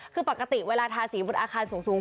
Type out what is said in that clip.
คือปกติเวลาทาสีบนอาคารสูง